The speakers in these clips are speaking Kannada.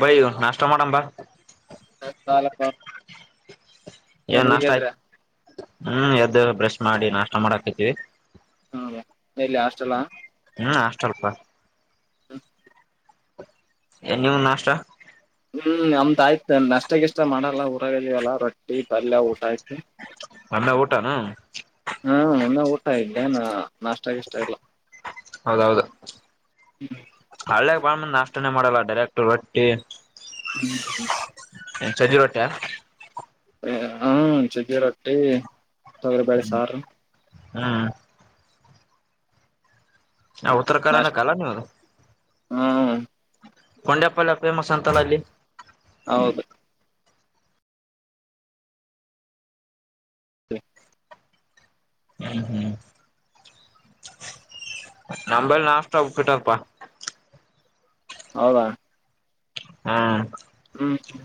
ಬೈ ಒಂದ್ ನಾಷ್ಟ ಮಾಡೋನ್ ಬಾ [unintelligible] ಲಗ್ಗ ಬಾ ರಾಪ್ಪ ಏನ್ ಈಗ ಎದ್ರ? [unintelligible] ಹೂ ಎದ್ದ ಬ್ರೇಷ ಮಾಡಿ ನಾಷ್ಟ ಮಾಡಾಕತಿವಿ. [unintelligible] ಹೌದ ಬೈ ಇಲ್ಲಿ ಹಾಸ್ಟೆಲ್ [unintelligible] ಸ್ವಲ್ಪ [unintelligible] ಹು [unintelligible] ಎಲ್ಲರೂ ನಾಷ್ಟ? [unintelligible] ಹೂ ನಮ್ದ್ ಆಯ್ತು ನಾಷ್ಟ ಗಿಷ್ಟ ಮಾಡಲ್ಲ ಊರಾಗ ಅದೀವಿ ಅಲ್ಲ ರೊಟ್ಟಿ ಪಲ್ಯ ಊಟ ಆಯ್ತು. [unintelligible] ಅಲ್ಲ ಊಟ? [unintelligible] ಹಾ ಇನ್ನ ಊಟ ಇದ್ದೆ ನ ನಾಷ್ಟಗ ಇಷ್ಟ ಇಲ್ಲ ಹೌದೌದು ಹ್ಮ್ ಹಳ್ಳಗ್ ಬಾಳ್ಮಂದ್ ನಾಷ್ಟನೆ ಮಾಡಲ್ಲ ಡೈರೆಕ್ಟ್ ರೊಟ್ಟಿ ಹ್ಮ ಹ್ಮ [inaudible] ರೊಟ ಹ ಚಜ್ಜಿ ರೊಟ್ಟಿ ತೊಗರಿಬಳೆ ಸಾರು ಹ್ಮ್ ಆ ಉತ್ತರ ಕರ್ನಾಟಕ ಆಳ್ವ ನೀದು ಹ್ಮ ಹೊಂಡೆಪಲ್ಯ ಫೇಮಸ್ ಅಂತಲ್ಲ ಅಲ್ಲಿ ಹೌದು [unintelligible] ಹ್ಮ್ ಹ್ಮ್ ನಂಬಲ್ಲಿ ನಾಷ್ಟಾಟ್ಟಾರಪ್ಪಾ ಹೌದಾ ಹ್ಮ್ ಹ್ಮ ಹ್ಮ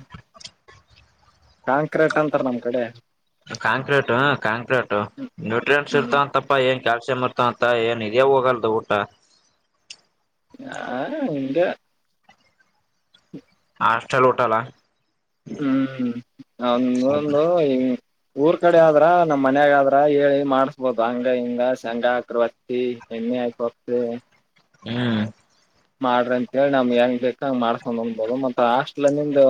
ಕಾಂಕ್ರೀಟ್ ಅಂತಾರ ನಮ್ ಕಡೆ ಕಾಂಕ್ರೀಟ್ ಕಾಂಕ್ರೀಟ್ ನಟ್ರಿಯಂಟ್ಸ್ ಹ್ಮ್ ಇರ್ತಂತಪ್ಪಾ ಹೆಂಗ ಕಾಸೆ ಮರ್ತ ಅಂತ ಏನ್ ಹೋಗಲ್ದು ಊಟ [unintelligible] ಹಾಸ್ಟಲ್ ಊಟ ನಾ ಹ್ಮ್ ಅವ ಒಂದು ಊರ್ ಕಡೆ ಆದ್ರ ನಮ್ ಮನ್ಯಾಗ ಆದ್ರ ಹೇಳಿ ಮಾಡ ಹ ಬಾಂಗ ಹಂಗ ಸಂಡಾ ಆಕ್ರವರ್ತಿ ಎಣ್ಣೆ ಆಾಯಕ ಹ್ಮ್ ಮಾಡ್ರಿ ಅಂತ ಹೇಳಿ ನಮ್ ಹೆಂಗ್ ಬೇಕ ಹಂಗ್ ಮಾಡ್ಸ್ಕೊಂಡ್ ಅಂದ್ಬೋದು ಮತ್ತ ಹಾಸ್ಟ್ಲ ನಿಂದು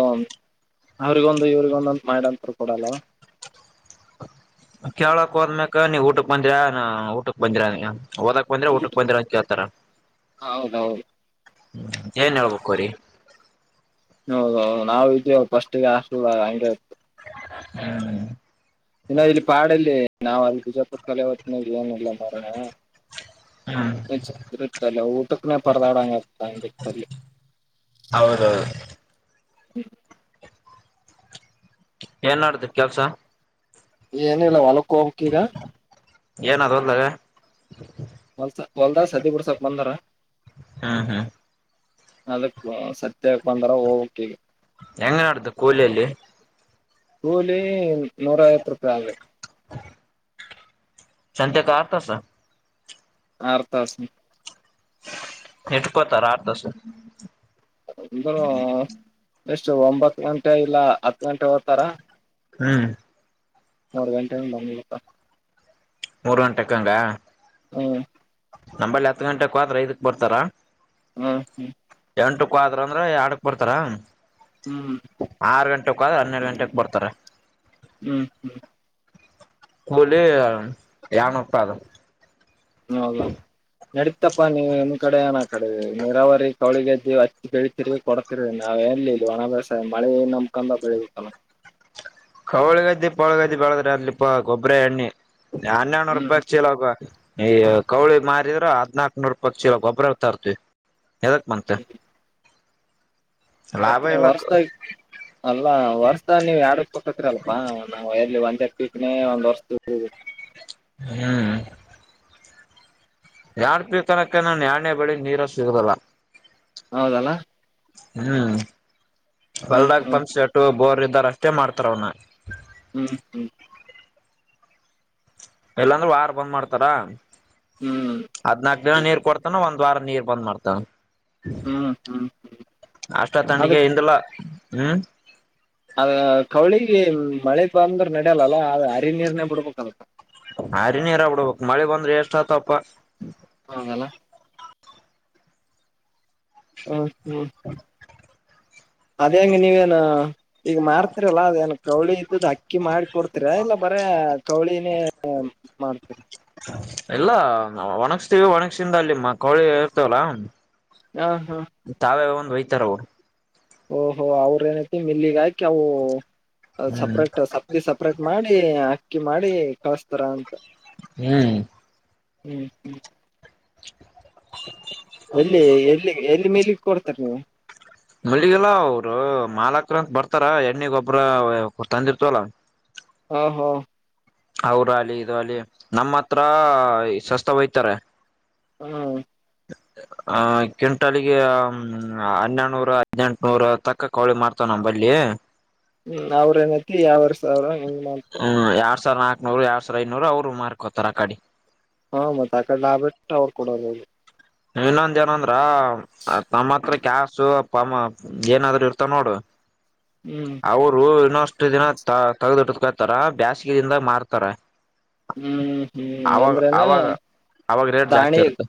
ಅವ್ರಿಗೊಂದು ಇವ್ರಗೊಂದಂತ್ ಮಹಿಾಂತರು ಕೂಡಲ್ವಾ ಕೇಳಕ್ ಹೋದ್ಮಕ್ ನೀ ಊಟಕ್ ಬಂದ್ರ ಊಟಕ್ ಬಂದರ ನೀ ಓದಕ್ ಬಂದ್ರೆ ಊಟ ಊಟಕ್ ಬಂದ್ರೆ ಅಂತ ಕೇಳ್ತಾರ ಹೌದೌದು ಹ್ಮ ಏನ್ ಹೇಳ್ಬೇಕುರಿ ಹೌದೌದು ನಾವವು ಇದೀವಿ ಫಸ್ಟ್ ಹಾಸ್ಟೆಲ್ ಆ ಹಗೆ ಇತ್ತು ಹ್ಮ್ ಇನ್ನು ಇಲ್ಲಿ ಪಾಡಲ್ಲಿ ನಾವ್ ಅಲ್ಲಿ ಬಿಜಾಪುರ ಕಲೆ ಹೊತ್ತಿನ ಏನಿಲ್ಲ ಮೋರೋಣ ಹ್ಮ್ ಚ ಇತಲ್ಲ ಊಟಕ್ಕನೇ ಪರ್ದಾಡಂಗ ಆತಂಗಿತ್ತಲ್ಲಿ ಹೌದೌದು ಹ್ಮ ಏನ್ ಮಾಡ್ದ ಕೆಲ್ಸ ಏನಿಲ್ಲ ಹೊಲಕ್ಕ ಹಕ್ಕ ಈಗ ಏನದು ಹೋದದೆ ಹೊಲ್ಸ ಹೊಲ್ದಾಸ್ ಹದಿ ಬಿುಡ್ ಸ್ವಲ್ಪ ಬಂದಾರ ಹ್ಮ್ ಹ್ಮ್ ಅದಕ್ ಸತ್ಯ ಬಂದಾರ ಹೋಗಕ್ ಈಗ ಹೆಂಗ ನಡ್ದ ಕೂಲಿಯಲ್ಲಿ ಕೂಲಿ ನೂರಾಯತ್ ರೂಪಾಯಿ ಆಗ ಸಂಂತೆಕ ಅರ್ಥಸ ಆರ್ತಾಸ ಎಟು ಪತ ಆರ್ತಸ ಅಂದರು ಎಷ್ಟು ಒಂಬತ್ ಗಂಟೆ ಇಲ್ಲ ಹತ್ ಗಂಟೆ ಓ್ತಾರ ಹ್ಮ್. ಮೋರ ಗಂಟೆ. [unintelligible] ಮೂರ್ ಗಂಟೆಕ್ಕಂಗ. ಹ್ಮ್. ನಂಬಲ್ಲಿ ಹತ್ತು ಗಂಟೆ ಕತ್ರ ಇದಕ್ ಬರ್ತಾರಾ. ಹ್ಮ ಹ್ಮ್. ಎಂಟಕ್ಕ ಆದ್ರ ಅಂದ್ರೆ ಎಡಕ್ ಬರ್ತಾರ ಹ್ಮ್ ಹ್ಮ್ ಆರು ಗಂಟೆ. ಹನ್ನೆರಡು ಗಂಟೆಗೆ ಬರ್ತಾರೆ. ಹ್ಮ್ ಹ್ಮ್. ಕೂಲಿ ಏಳು ನೂರು ಪಾಯಿ ಅದು. ಹೌದದು ನಡೀತಪ್ಪಾ ನೀವು ನಿಮ್ ಕಡೆ ಏನ. ಕಡೆ ನೀರಾವರಿ ಕೌಳಿಗೆಜ್ಜಿ ಹಚ್ಚಿ ಬೆಳತಿರಿ ಕೊಡ್ತಿರ ನಾವ್ ಎಲ್ಲಿ ಇಲ್ಲಿ ಒಣಭ್ಯಾಸ ಮಳೆನ. [unintelligible] ಳದ್ರೆ ಅಲ್ಲಿಪಾ ಗೊಬ್ರ ಎಣ್ಣಿ [unintelligible] ಹ್ಮ್ ನನ್ರೂಪಾಯ ಚಲಕ್ಕ. ಈ ಕೌಳಿ ಮಾರಿದ್ರ ಹದ್ನಾಕ್ ನೂರಪತ್ತು ಕಿಲ ಗೊಬ್ರ ತರ್ತಿವಿ. ಯದಕ್ ಮಂತೆ. ಮತ್ತತ್ ನೀವು ಹೊರ್ಸತ ಅಲ್ಲ. ಹ ವರ್ಷ ನೀವ್ ಯರಡಕ್ ತೊಕತಿರಿ ಅಲ್ಪಾ ನಾವ್ ಎರ್ಲಿ ಒಂದ್ ಎರ್ಟಕ್ ಒಂದ್ ವರ್ಷದ. ಹ್ಮ್. ಎಡ್ಪಿ ತನಕ ನ ಎನೇ ಬೆಳಿ ನೀರ ಸಿಗದಲ್ಲ. ಹೌದಲ್ಲ. ಹ್ಮ್ ಹ್ಮ್ ಹೊಲ್ದಾಗ ಹ್ಮ್ ಪಂಪ್ಸ್ ಬೋರ್ ಇದ್ದಾರ ಅಷ್ಟೇ ಮಾಡ್ತಾರ ಅವನ. ಹ್ಮ್ ಹ್ಮ್. ಇಲ್ಲಾಂದ್ರೆ ವಾರ ಬಂದ್ ಮಾಡ್ತಾರ ಹ್ಮ್ ಹದ್ನಾಕ್ ದಿನ ನೀರ್ ಕೊಡ್ತಾನ ಒಂದ. ವಾರ ನೀರ್ ಬಂದ್ ಮಾಡ್ತಳ. ಹಾ ಹಾ. ಅಷ್ಟ ತಂಡಿಗೆ ಇಂದಿಲ್ಲ ಹ್ಮ್. ಅದ ಕವಳಿಗೆ ಮಳೆ ಬಂದ್ರ ನಡ್ಯಲ್ಲಲ್ಲ ಅ ಹರಿ ನೀರನೆೇ ಬಿಡ್ಬೇಕತ್ತ. ಹರಿ ನೀರ ಬಿಡ್ಬೇಕಕ್ ಮಳೆ ಬಂದ್ರೆ ಎಷ್ಟ್ ಆತಪ್ಪ. ಹೌದಲ್ಲ. ಹ ಹಾ. ಅದ ಹೆಂಗ ನೀವೇಏನ ಈಗ ಮಾಡ್ತೀರಲ್ಲಾ ಅದೇಏನ್ ಕೌಳಿ ಇದ್ದುದ್ ಅಕ್ಕಿ ಮಾಡಿ ಕೊಡ್ತಿರಾ ಇಲ್ಲ ಬ. ಅಂದ್ರೆ ಕೌಳಿನೇ ಮಾಡ್ತೀರಿ. [unintelligible] ಇಲ್ಲ ಒಣಗತೀವಿ ಒಣಗಸಿಂದ ಅಲ್ಲಿ ಕೋಳಿ ಇರ್ತೇವಲ್ಲಾ. ಹಾ ಹಾ. ವೈತರವರು. ಓಹೋ ಅವ್ರ ಏನ. ಮಿಲ್ಲಿಗೆ ಹಾಕಿ ಅವು ಹ್ಮ್ ಸಪ್ರೇಟ್ ಸಪ್ತಿ ಸಪ್ರೇಟ್ ಮಾಡಿ ಅಕ್ಕಿ ಮಾಡಿ. ಕಸ್ತರಾ ಅಂತ. ಹ್ಮ್. ಹ್ಮ್ ಹ್ಮ್. ಎಲ್ಲಿ ಎಲ್ಲಿ ಎಲ್ಲಿ ಮೇಲಗೆ ಕೊಡ್ತಾರೆ ನೀವು. ಮಳ್ಳಗಲ್ಲ ಅವರು ಮಾಲಕ್ರಂತ ಬರ್ತಾರ ಎಣ್ಣಿ ಗೊಬ್ಬ್ರ ತಂದಿರ್ತವಲ್ಲ. ಹಾ ಹೋ. ಅವ್ರ ಅಲಿ ಇದ ಅಲಿ ನಮ್ಮ ಹತ್ರ ಸಸ್ತ ಹಯ್ತಾರೆ. ಹ್ಮ. ಹ [inaudible] ಆ ಕ್ವಿಂಟಲ್ಹನ್ನೆಡುನೂರ ಹದ್ನೆಂಟನೂರ ತಕ್ಕ ಕೋಳಿ ಮಾಡ್ತವ ನ ಬಲ್ಲಿ. ಹ್ಮ್ ಅವ್ರ ಏನತಿ ಯಾವರ್ಸ ಅವ್ರ ಹೆಂಗ್ ಮಾಡ್ತ. ನೂರು ಎರಡ್ ಸಾವಿರ ಐನೂರು ಅವ್ರು ಮಾರ್ಕೋತಾರ ಆ ಗಾಡಿ. ಹಾ ಮತ್ತತ್ ಆ ಕಡೆ ಆಬಿಟ್ಟು ಅವ್ರು ಕೊಡಲ್ಲ ಇನ್ನೊಂದ ಏನಂದ್ರ ನಮ್ಮ ಹತ್ರ ಕಾಸು ಅ ಪ ಏನಾದ್ರೂ ಇರ್ತ ನೋಡು ಹ್ಮ್ ಅವರು ಇನ್ನೊಷ್ಟು ದಿನ ತ ತಗ್ದಿಡಕೊತಾರ ಬೇಾಸಿಗೆದಿಂದ ಮಾರ್ತಾರ ಹ್ಮ್ ಹ್ಮ್ ಅವಾಗ ಅಂದ್ರನ ಅವಾಗ ಅವಾಗ ರೇಟ್ ಜಾಸ್ತಿ ದಾಣಿ ಇರುತ್ತೆ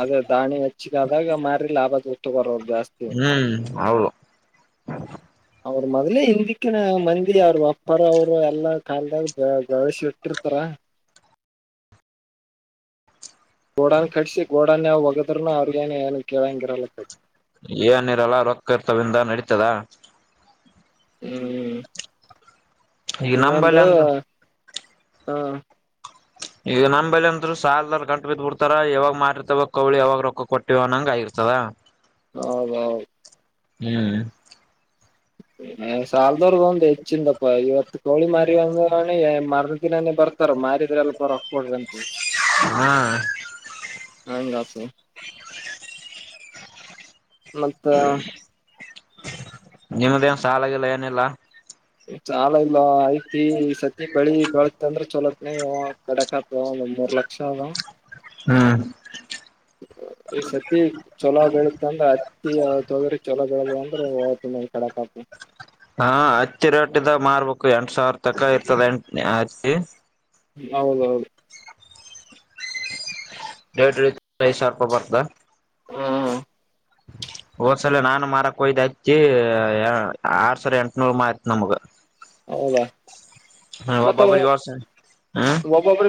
ಅದೇ ದಾಣಿ ಹೆಚ್ಚಗ ಆದಾಗ ಮಾರಿ ಲಾಭದೂ ತಗರೋದು ಹ್ಮ್ ಹೌದು ಮೊದ್ಲೆ ಹಿಂದಿಕ್ಕಿನ ಮನಗ ಅವ್ರ ಅಪ್ಪಾರ ಅವರು ಎಲ್ಲಾ ಕಲ್ದಾಗಸಿ ಇಟ್ಟಿರ್ತಾರ ಗೋಡನ್ ಕಡಿಸಿ ಗೋಡನ್ ಯಾವ್ ಹೊಗದ್ನು ಅವ್ರಿಗೇನ ಏನು ಕೇಳಂಗಿರಲ್ಲ ಕಟ್ಟ ಏನಿರಲ್ಲ ರೋಕತ್ವಿಂದ ನಡೀತದ ಹ್ಮ್ ಈಗ ನಂಬಲ್ಲಿ ಇನ್ನೊಂದು ಅಂದ್ರ ಹಾ ಈಗ ನಮ್ಮ್ಅಂದರು ಸಾಲಲ್ರ್ ಗಂಟು ಬಿದ್ದ್ ಬಿಡ್ತಾರ ಯಾವಾಗ ಮಾಡಿರ್ತವ ಕೋಳಿ ಯಾವಾಗ ರೊಕ್ಕ ಕೊಟ್ಟಿವವ ಅ ನಂಗ ಆಗರ್ತ ಸಲಯ ಹೌದೌದು ಹ್ಮ್ ಸಾಲದವರ್ಗ ಒಂದು ಹೆಚ್ಚಿಂದಪ್ಪ ಇವತ್ತು ಕೋಳಿ ಮಾರಿ ಒಂದ ಒಂದ ದಿನಾನೇ ಬರ್ತಾರ ಮಾರಿದ್ರೆ ಅಲ್ಪ ರೊಕ್ ಕೊಡ್ರ ಅಂತ ಹಾ ಹತ ಮತ್ತ ನಿಮ್ಮದ ನ್ ಸಾಲ ಆಾಗಿಲ್ಲ ಏನೆಲ್ಲಾ ಚಾಲ ಇಲ್ಲ ಐ್ತಸತಿ ಬಳಿ ಬೆಳತ್ ಅಂದ್ರ ಚಲೋತ್ನ ಕಡಕತ್ ಒಂದರ ಲಕ್ಷ ಅ ಹ್ಮ್ ಈ ಸತಿ ಚೊಲೋ ಬೆಳತ್ ಅಂದ್ರ ಅತ್ತಿ ತೊಗ್ರಿ ಚೊಲೋ ಬೆಳದ ಅಂದ್ರತ ಕಡಕ ಹಾ ಹಚ್ಚಿ ರೇಟಿದ ಮಾರ್ಬೇಕು ಎಂಟ ಸಾವಿರ ತಕ ಇರ್ತದ ಎಂಟ ಹಚ್ಚಿ ಹೌದೌದು ಡ್ಐ ಸಾರಪ ಬತ್ತಲ ಹ್ಮ ಒಓದ್ಸಲ ನಾನು ಮಾರಕ್ ಒಯ್ದ ಹಚ್ಚಿ ಆರ್ ಸರ್ ಎಂಟನೂರು ಮತ್ ನಮ್ಗ ಅವಾ ಹಾ ಬಬಾ ಪರಿವಾರಸ ಒಬ್ಬೊಬ್ಬ್ರ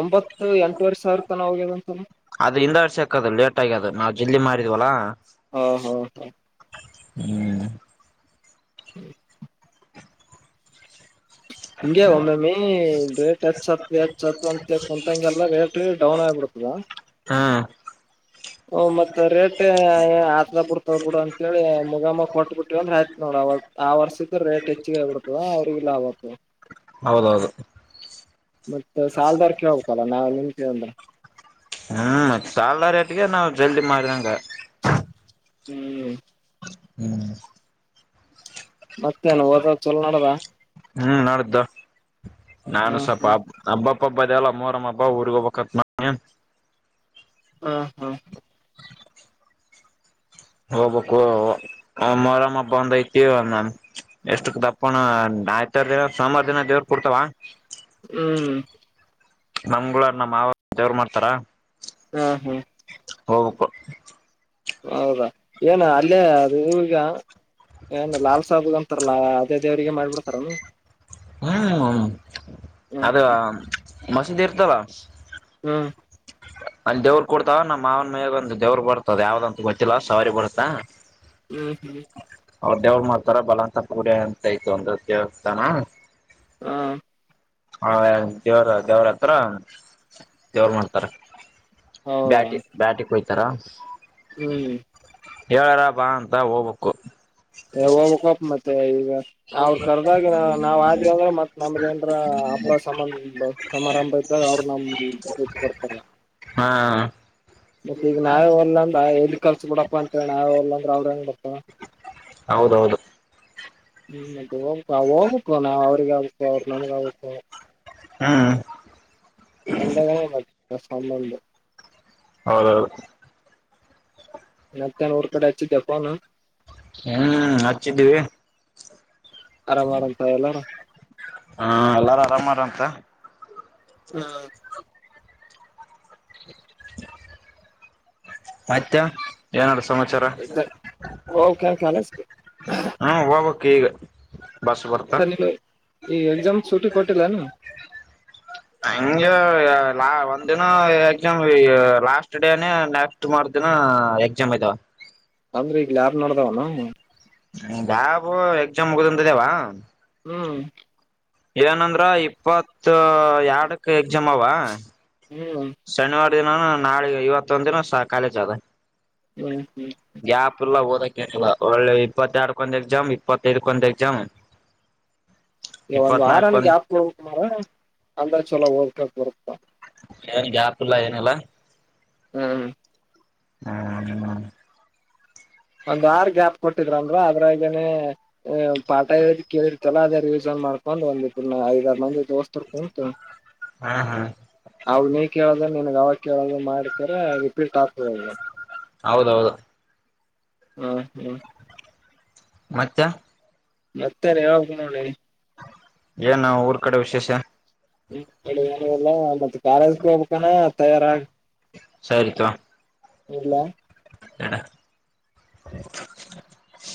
ಒಂಬತ್ತು ಎಂಟ ವರ್ಷ ಇರ್ತ ನ ಅವಗೆದನ್ಸಲ ಅದ್ರಿಂದ ಆರ್ಸಕದು ಲೇಟ್ ಆಗ್ಯ ಅದು ನಾವವು ಜಲ್ದಿ ಮಾಡಿದ್ವಲ್ಲಾ ಹಾ ಹಾ ಹಾ ಹ್ಮ್ ಹಿಂಗೆ ಒಮ್ಮೆಮ್ಮಿ ರೇಟ್ ಹೆಚ್ಚತ್ ಹೆಚ್ತ್ ಅಂತೇ ಕುಂತಂಗೆಲ್ಲಾ ರೇಟ್ ಡೌನ್ ಆಗ್ಬಿಡ್ತದ ಹಾ ಹ ಮತ್ತ ರೇಟ್ ಆತದ ಬಿಡ್ತದ ಬಿಡ ಅಂತೇಳಿ ಮುಗಾಮ ಕೊಟ್ ಬಿಟ್ಟಿವಂದ್ರೆ ಆಯ್ತ ನೋಡ ಅವಾಗ ಆ ವರ್ಷದ ರೇಟ್ ಹೆಚ್ಚಗ ಆಗ್ಬಿಡ್ತದ ಅವ್ರಿಗೆ ಲಾಭ ಆಗ್ತದೆ ಹೌದೌದು ಮತ್ತ ಸಾಲದರ್ಕ ಕೇಳಬೇಕಲ್ಲ ನಾವ ನಿನ್ತವಿ ಅಂದ್ರೆ ಹ್ಮ್ ಸಾಲದರಾ ರೇಟ್ಗೆ ನಾವು ಜಲ್ದಿ ಮಾಡಿದಂಗ ಹ್ಮ್ ಹ್ಮ್ ಮತ್ತೇನು ಓದದ ಚಲೋ ನಾಡಾದ ಹ್ಮ್ ನೋಡ್ದು ನಾನು ಹ್ಮ್ ಸ್ವಲ್ಪ ಹ್ಮ್ ಹಬ್ಬ ಅಪ್ಪಬ್ಬ ದಲ್ಲಮ್ಮೋರಮ್ಮ ಹಬ್ಬ ಊರ್ಗೋಬೇಕತ್ ನ ಹಾ ಹಾ ಹ ಹ ಹೋಗ್ಬೇಕು ಮರಮ್ಮ ಹಬ ಅಂದ ಐತಿ ಎಷ್ಟು ದಪ್ಪಣ ಮ್ಯಾಟರ್ ಸೋಮವರ ದಿನ ದೇವ್ರ ಕೊಡ್ತಾವ ಹ್ಮ್ ಮಂಗಳವಾರ ನಮ್ ಮಾವ ಅವ್ರು ದೇವ್ರ ಮಾಡ್ತಾರ ಹಾ ಹಾ ಹೋಗಬೇಕು ಹೌದಾ ಏನು ಅಲ್ಲೇ ಅ ಇವಗ ಏನ್ ಲಾಲ್ಸಬ್ಗ [unintelligible] [unintelligible] ತಾರಲ್ಲಾ ಅದೇ ದೇವ್ರರಿಗೆ ಮಾಡ್ಬಿಡ್ತಾರ ಏನ್ ಹ್ಮ್ ಹ್ಮ ಅದು ಮಸೀದಿ ಇರ್ತಲ್ಲ ಹ್ಮ ಅಲ್ಲಿ ದೇವ್ರ ಕೊಡ್ತಾವ ನಮ್ಮ ಮಾವ ಮಯಾಗ ಒಂದ ದವ್ರರು ಬರ್ತದ ಯಾವ್ದಂತ ಗೊತ್ತಿಲ್ಲ ಸವಾರಿ ಬರುತ್ತಾ ಹ್ಮ್ ಹ್ಮ್ ಅವ್ರ ದೇವ್ರ ಮಾಡ್ತಾರ ಬಲವಂತ ಪೂಡೆ ಅಂತ ಇತ ಒಂದು ದೇವಸ್ಥಾನ ಹಾ ಹ ದೇವರ ದೇವರ ಹತ್ರ ದೇವ್ರ ಮಾಡ್ತಾರ ಹೌದಾ ಬ್ಯಾಟಿ ಬ್ಯಾಟಿ ಕೊಯಾಟರ್ ಹ್ಮ್ ಹೇಳಾರ ಬಾ ಅಂತ ಹೋಗ್ಬೇಕು [unintelligible] ಹೋಗಬಕ ಮತ್ತೆ ಈಗ ಅವ್ರ ಕರ್ದಾಗ ನಾವ್ ಆದಿವವ ಅಂದ್ರ ಮತ್ ನಮ್ದ ಏನ್ರ [unintelligible] ಹಬ್ಬ ಸಮಂದ ಸಮಾರಂಭ ಇದ್ದಾಗ ಅವ್ರರು ನಮ್ದತ್ ಕೊಡ್ತಾರ ಹಾ ಮತ್ತೆ ಈಗ ನಾವೇ ಹೊಲ್ಲ ಅಂದ್ರ ಎಲ್ಲಿ ಕಲ್ಸ ಬಿಡಪ್ಪ ಅಂತ ನಾವೇ ಹೊಲ್ಲ ಅಂದ್ರ ಅವ್ರ ಹೆಂಗ್ ಬರ್ತವ ಹೌದೌದು ಹ್ಮ್ ಅದು ಹೋಗಬೇಕ ನಾ ಅವ್ರಿಗೆ ಆಗಬೇಕ ಅವ್ರ ನನಗೆ ಆಗಬೇಕ ಹ್ಮ್ ಅಂದಗ ಸಂಬಂಧ [unintelligible] ಹೌದು [unintelligible] ಮತ್ತೆನ್ ಊರ ಕಡೆ ಅಚ್ಚಿದ್ದ ಫೋನ್ ಹ್ಮ್ ಹಚ್ಚಿದ್ದೀವಿ [unintelligible] ಆರಾಮಾರಂತ ಎಲ್ಲಾರ ಹಾ ಎಲ್ಲಾರು ಆರಾಮಾರ ಅಂತ ಹಾ [unintelligible] ಆಯ್ತ ಏನ [unintelligible] ಸಮಾಚಾರ ಹೋಗ್ಬೇಕೇನ್ ಕಾಲೇಜ್ [unintelligible] ಹಾ ಹೋಗಕೆ ಈಗ ಬಸ್ [unintelligible] ಬರ್ತಾ ಸ ನೀ ಈ ಎಕ್ಸಾಮ್ ಸುಟಿ ಕೊಟ್ಟಿಲ್ಲನು ಹಂಗೆ ಲಾ ಒಂದ ದಿನ ಎಕ್ಸಾಮ್ ಲಾಸ್ಟ್ ಡೇನ ನೆಕ್ಸ್ಟ್ ಮರು ದಿನ ಹಾ ಎಕ್ಸಾಮ್ ಐತವಾ [unintelligible] ಅಂದ್ರೆ ಈಗ ಲ್ಯಾಬ್ ನೋಡ್ದಾವ ಏನ್ ಲ್ಯಾಬ್ ಎಕ್ಸಾಮ್ ಮುಗ್ಧಗಳೇ ಇದಾವ [unintelligible] ಹ್ಮ್ ಏನಂದ್ರ ಇಪ್ಪತ್ ಎರ್ಡಕ್ ಎಕ್ಸಾಮ್ ಅವಾ ಶನಿವಾರ ದಿನಾನ ನಾಳೆ ಇವತ್ತೊಂದ ದಿನ ಕಾಲೇಜ್ ಅದ ಹ್ಮ್ ಹ್ಮ್ ಗ್ಯಪುಲ್ಲ ಬದ [unintelligible] ಒಳ್ಳೆ ಇಪ್ಪತ್ತ ಎರಡ್ಕೊಂದ ಎಕ್ಸಾಮ್ ಇಪ್ಪತ್ತೈದಕೊಂದ ಎಕ್ಸಾಮ್ ಈಗ ಒಂದು ಇಪ್ಪತ್ನಾಲ್ಕ ವಾರನ ಒಂದ್ [unintelligible] ಆಪ್ ಹೋಗಕ ಮಾರ ಅಂದ ಚಛಲೋ ಓರ್ಕ ಬರುತ್ತ ಏನ್ ಗ್ಯಾಪ್ ಇಲ್ಲ ಏನಲ್ಲ ಹ್ಮ್ ಹ್ಮ ಹ [unintelligible] ಒಂದ ಆರ್ ಗ್ಯಾಪ್ ಕೊಟ್ಟಿದ್ರಂದ್ರ ಅದ್ರಾಗನನೆ ಪಾಠ ಹೇಳದ ಕೇಳಿರ್ತಲ್ಲ ಅದ ಮಾಡ್ಕೊಂಡ್ ಒಂದಿ ಐದಾರು ಮಂದಿ ದೋಸ್ತರ್ ಕುಂತು [unintelligible] ಹಾ ಅವ ನೀ ಕೇಳದ ನನ್ಗ್ ಅವಾಗ ಕೇಳದ ಮಾಡ್ಕರ ರಿಪೀಟ್ ಆಗ್ತದ ಹೌದೌದು ಹಾ ಹ್ಮ್ ಮತ್ ಮತ್ತೆ ರ ಯಾವಾಗ ನೋಡಿ ಏನ್ ಊರ್ ಕಡೆ ವಿಶೇಷ ನಿಮ್ಮ ಕಡೆ ಎನೀಲ್ಲಾ ಮತ್ತೆ ಕಾಲೇಜ್ ಹೋಗಬೇಕಾನ ತಯಾರಾಗ ಸರಿತು ಇಲ್ಲಾ [unintelligible]